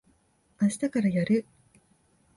あしたからやる。